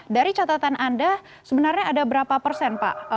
dari catatan anda sebenarnya ada berapa persen pak